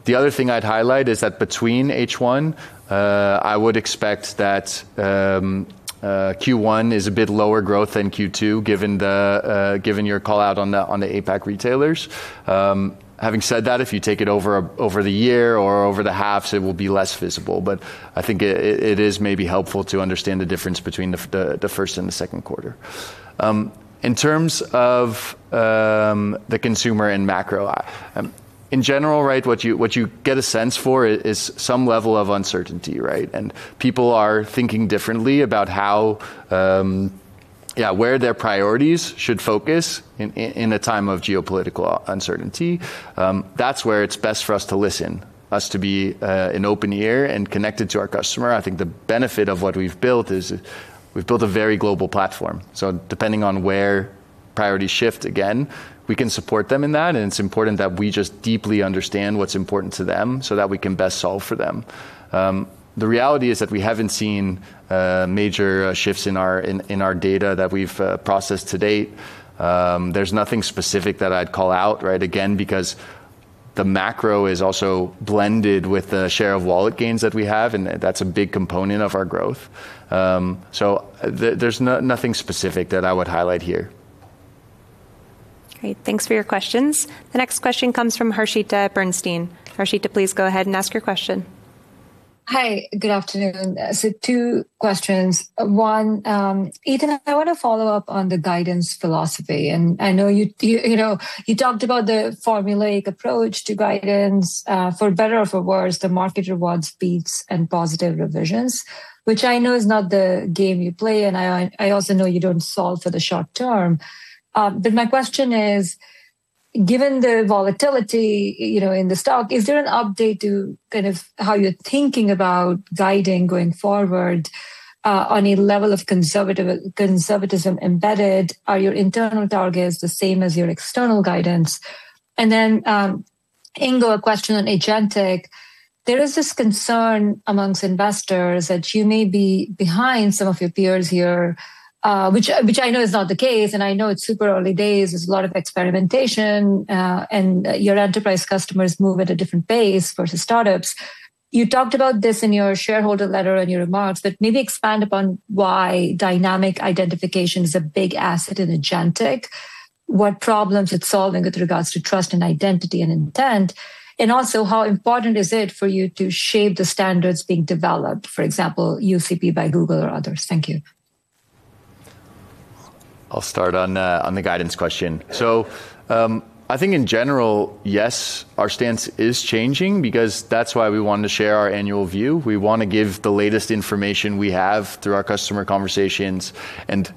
The other thing I'd highlight is that between H1, I would expect that Q1 is a bit lower growth than Q2, given your call-out on the APAC retailers. Having said that, if you take it over the year or over the halves, it will be less visible. But I think it is maybe helpful to understand the difference between the first and the second quarter. In terms of the consumer and macro in general, right, what you get a sense for is some level of uncertainty, right? And people are thinking differently about how, where their priorities should focus in a time of geopolitical uncertainty. That's where it's best for us to listen, us to be an open ear and connected to our customer. I think the benefit of what we've built is we've built a very global platform. So depending on where priorities shift, again, we can support them in that, and it's important that we just deeply understand what's important to them so that we can best solve for them. The reality is that we haven't seen major shifts in our data that we've processed to date. There's nothing specific that I'd call out, right? Again, because the macro is also blended with the share of wallet gains that we have, and that's a big component of our growth. There's nothing specific that I would highlight here. Great. Thanks for your questions. The next question comes from Harshita at Bernstein. Harshita, please go ahead and ask your question. Hi, good afternoon. So two questions. One, Ethan, I want to follow up on the guidance philosophy, and I know you, you know, you talked about the formulaic approach to guidance. For better or for worse, the market rewards beats and positive revisions, which I know is not the game you play, and I, I also know you don't solve for the short term. But my question is, given the volatility, you know, in the stock, is there an update to kind of how you're thinking about guiding going forward, on a level of conservative, conservatism embedded? Are your internal targets the same as your external guidance? And then, Ingo, a question on agentic. There is this concern among investors that you may be behind some of your peers here, which I know is not the case, and I know it's super early days. There's a lot of experimentation, and your enterprise customers move at a different pace versus startups. You talked about this in your shareholder letter and your remarks, but maybe expand upon why Dynamic Identification is a big asset in agentic, what problems it's solving with regards to trust and identity and intent, and also, how important is it for you to shape the standards being developed, for example, UCP by Google or others? Thank you. I'll start on the guidance question. So, I think in general, yes, our stance is changing because that's why we wanted to share our annual view. We want to give the latest information we have through our customer conversations and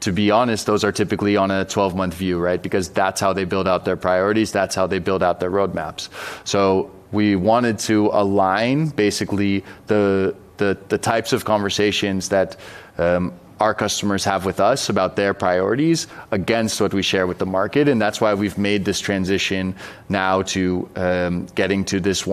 to be honest, those are typically on a 12-month view, right? Because that's how they build out their priorities, that's how they build out their roadmaps. So we wanted to align basically the types of conversations that our customers have with us about their priorities against what we share with the market, and that's why we've made this transition now to getting to this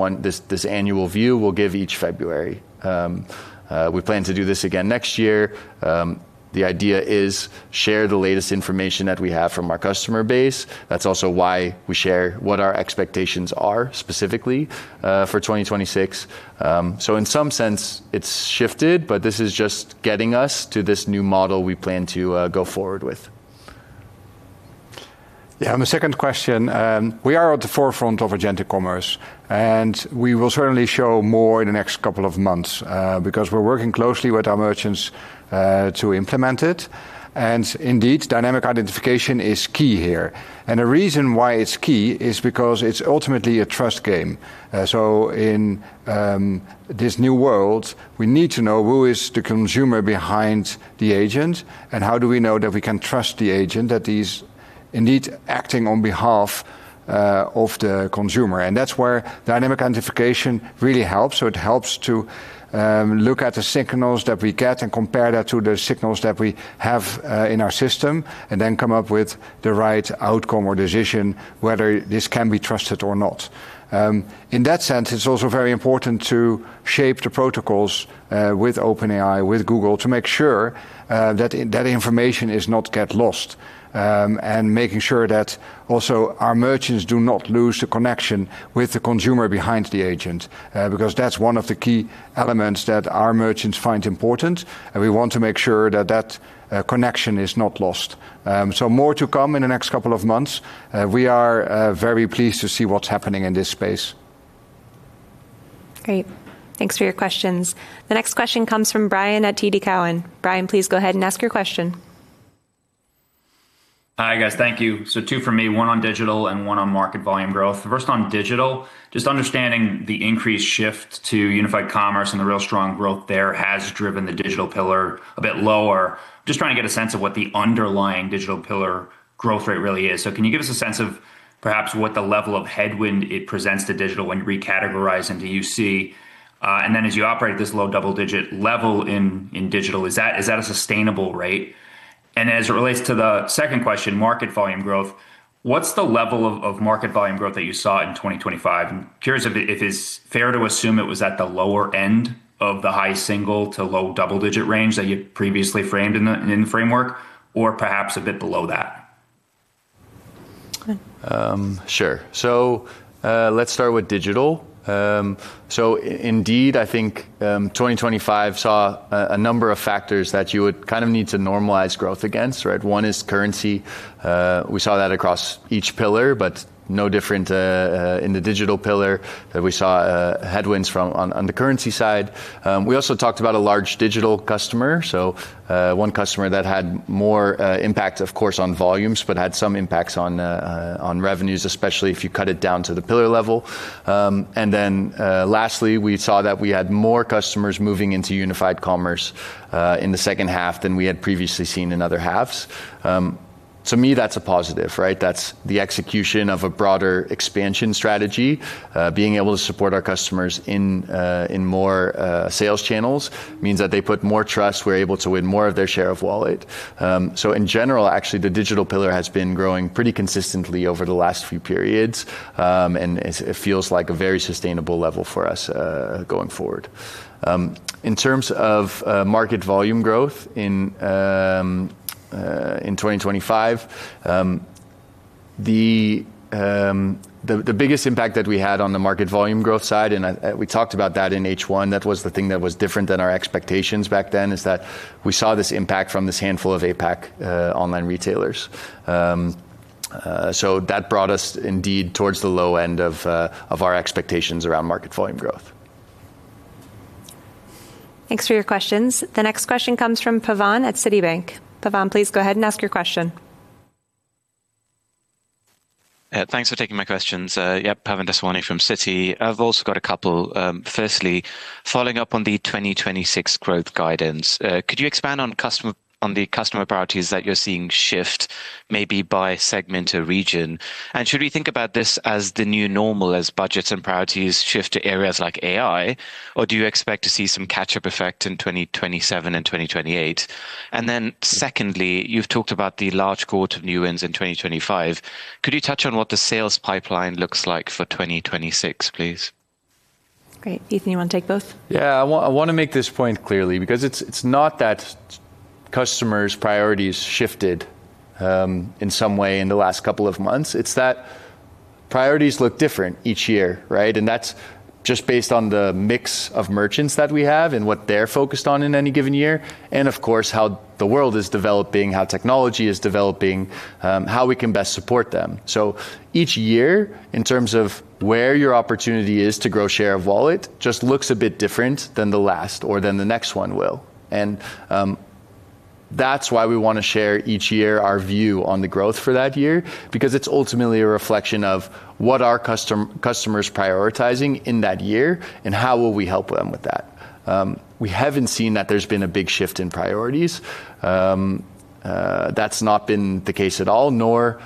annual view we'll give each February. We plan to do this again next year. The idea is share the latest information that we have from our customer base. That's also why we share what our expectations are specifically for 2026. So in some sense, it's shifted, but this is just getting us to this new model we plan to go forward with. Yeah, and the second question, we are at the forefront of Agentic Commerce, and we will certainly show more in the next couple of months, because we're working closely with our merchants, to implement it. And indeed, Dynamic Identification is key here. And the reason why it's key is because it's ultimately a trust game. So in this new world, we need to know who is the consumer behind the agent, and how do we know that we can trust the agent, that he's indeed acting on behalf of the consumer? And that's where Dynamic Identification really helps. So it helps to look at the signals that we get and compare that to the signals that we have in our system, and then come up with the right outcome or decision, whether this can be trusted or not. In that sense, it's also very important to shape the protocols with OpenAI, with Google, to make sure that that information is not get lost, and making sure that also our merchants do not lose the connection with the consumer behind the agent. Because that's one of the key elements that our merchants find important, and we want to make sure that that connection is not lost. So more to come in the next couple of months. We are very pleased to see what's happening in this space. Great. Thanks for your questions. The next question comes from Bryan at TD Cowen. Bryan, please go ahead and ask your question. Hi, guys. Thank you. So two for me, one on digital and one on market volume growth. The first on digital, just understanding the increased shift to Unified Commerce and the real strong growth there has driven the digital pillar a bit lower. Just trying to get a sense of what the underlying digital pillar growth rate really is. So can you give us a sense of perhaps what the level of headwind it presents to digital when you recategorize into UC? And then as you operate this low double-digit level in digital, is that a sustainable rate? And as it relates to the second question, market volume growth, what's the level of market volume growth that you saw in 2025? I'm curious if it's fair to assume it was at the lower end of the high single- to low double-digit range that you previously framed in the framework, or perhaps a bit below that. Okay. Sure. So, let's start with digital. So, indeed, I think 2025 saw a number of factors that you would kind of need to normalize growth against, right? One is currency. We saw that across each pillar, but no different in the digital pillar, that we saw headwinds from on the currency side. We also talked about a large digital customer, so one customer that had more impact, of course, on volumes, but had some impacts on revenues, especially if you cut it down to the pillar level. And then, lastly, we saw that we had more customers moving into Unified Commerce in the second half than we had previously seen in other halves. To me, that's a positive, right? That's the execution of a broader expansion strategy. Being able to support our customers in more sales channels means that they put more trust. We're able to win more of their share of wallet. So in general, actually, the digital pillar has been growing pretty consistently over the last few periods, and it feels like a very sustainable level for us going forward. In terms of market volume growth in 2025, the biggest impact that we had on the market volume growth side, and we talked about that in H1, that was the thing that was different than our expectations back then, is that we saw this impact from this handful of APAC online retailers. So that brought us indeed towards the low end of our expectations around market volume growth. Thanks for your questions. The next question comes from Pavan at Citibank. Pavan, please go ahead and ask your question. Thanks for taking my questions. Yeah, Pavan Daswani from Citi. I've also got a couple. Firstly, following up on the 2026 growth guidance, could you expand on customer - on the customer priorities that you're seeing shift, maybe by segment or region? And should we think about this as the new normal as budgets and priorities shift to areas like AI, or do you expect to see some catch-up effect in 2027 and 2028? And then secondly, you've talked about the large cohort of new wins in 2025. Could you touch on what the sales pipeline looks like for 2026, please? Great. Ethan, you wanna take both? Yeah. I wanna make this point clearly, because it's not that customers' priorities shifted in some way in the last couple of months. It's that priorities look different each year, right? And that's just based on the mix of merchants that we have and what they're focused on in any given year, and of course, how the world is developing, how technology is developing, how we can best support them. So each year, in terms of where your opportunity is to grow share of wallet, just looks a bit different than the last or than the next one will. And that's why we wanna share each year our view on the growth for that year, because it's ultimately a reflection of what customers are prioritizing in that year, and how we will help them with that? We haven't seen that there's been a big shift in priorities, that's not been the case at all, nor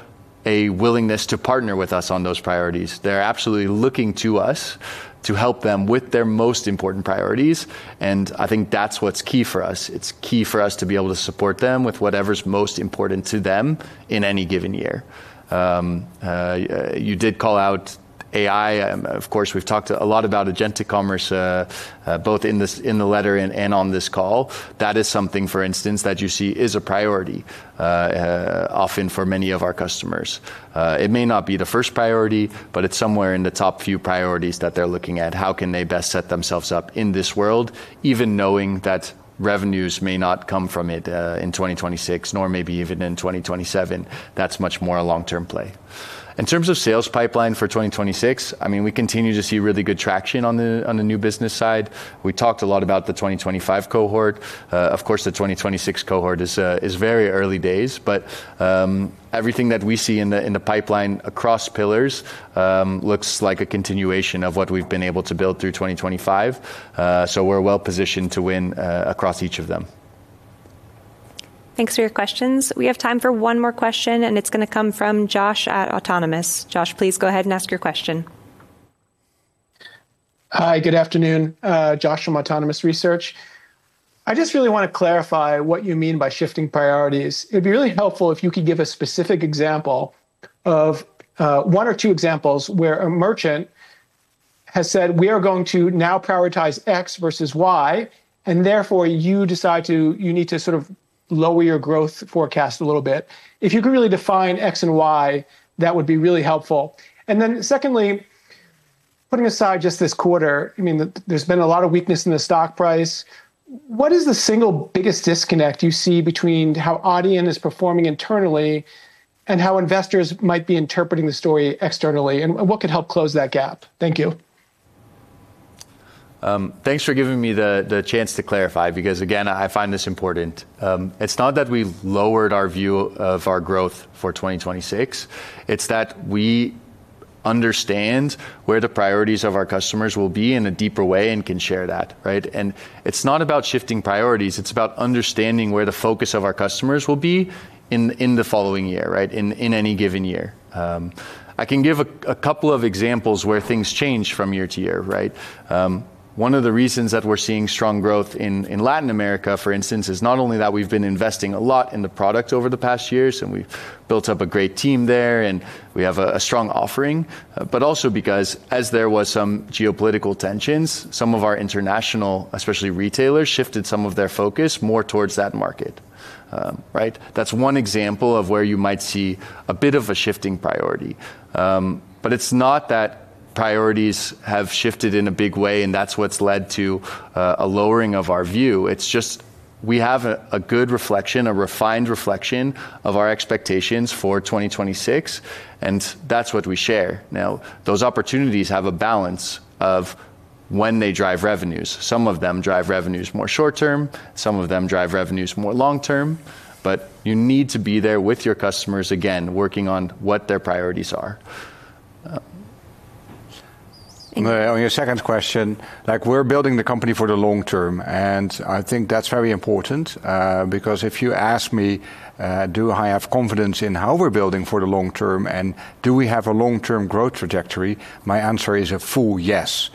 a willingness to partner with us on those priorities. They're absolutely looking to us to help them with their most important priorities, and I think that's what's key for us. It's key for us to be able to support them with whatever's most important to them in any given year. You did call out AI, of course, we've talked a lot about agentic commerce, both in the letter and on this call. That is something, for instance, that you see is a priority, often for many of our customers. It may not be the first priority, but it's somewhere in the top few priorities that they're looking at. How can they best set themselves up in this world, even knowing that revenues may not come from it, in 2026, nor maybe even in 2027? That's much more a long-term play. In terms of sales pipeline for 2026, I mean, we continue to see really good traction on the new business side. We talked a lot about the 2025 cohort. Of course, the 2026 cohort is very early days, but, everything that we see in the pipeline across pillars, looks like a continuation of what we've been able to build through 2025. So we're well positioned to win across each of them. Thanks for your questions. We have time for one more question, and it's gonna come from Josh at Autonomous. Josh, please go ahead and ask your question. Hi, good afternoon, Josh from Autonomous Research. I just really wanna clarify what you mean by shifting priorities. It'd be really helpful if you could give a specific example of, one or two examples where a merchant has said, "We are going to now prioritize X versus Y," and therefore, you decide to, you need to sort of lower your growth forecast a little bit. If you could really define X and Y, that would be really helpful. And then secondly, putting aside just this quarter, I mean, there's been a lot of weakness in the stock price. What is the single biggest disconnect you see between how Adyen is performing internally and how investors might be interpreting the story externally, and what could help close that gap? Thank you. Thanks for giving me the chance to clarify, because, again, I find this important. It's not that we've lowered our view of our growth for 2026, it's that we understand where the priorities of our customers will be in a deeper way and can share that, right? And it's not about shifting priorities, it's about understanding where the focus of our customers will be in the following year, right, in any given year. I can give a couple of examples where things change from year to year, right? One of the reasons that we're seeing strong growth in Latin America, for instance, is not only that we've been investing a lot in the product over the past years, and we've built up a great team there, and we have a strong offering, but also because as there was some geopolitical tensions, some of our international, especially retailers, shifted some of their focus more towards that market, right? That's one example of where you might see a bit of a shifting priority. But it's not that priorities have shifted in a big way, and that's what's led to a lowering of our view. It's just we have a good reflection, a refined reflection of our expectations for 2026, and that's what we share. Now, those opportunities have a balance of when they drive revenues. Some of them drive revenues more short-term, some of them drive revenues more long-term, but you need to be there with your customers, again, working on what their priorities are. On your second question, like, we're building the company for the long term, and I think that's very important, because if you ask me, do I have confidence in how we're building for the long term, and do we have a long-term growth trajectory? My answer is a full yes.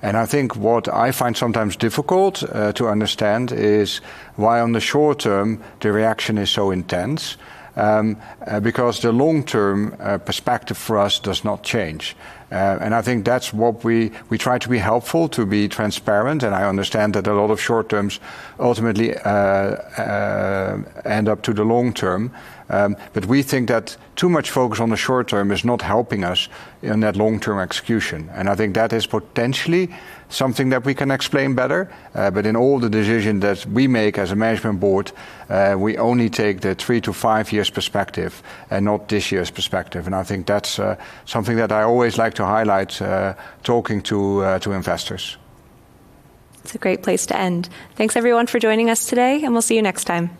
I think what I find sometimes difficult to understand is why on the short term, the reaction is so intense, because the long-term perspective for us does not change. I think that's what we try to be helpful, to be transparent, and I understand that a lot of short terms ultimately end up to the long term. But we think that too much focus on the short term is not helping us in that long-term execution, and I think that is potentially something that we can explain better. But in all the decision that we make as a management board, we only take the 3-5 years perspective and not this year's perspective, and I think that's something that I always like to highlight, talking to to investors. It's a great place to end. Thanks, everyone, for joining us today, and we'll see you next time.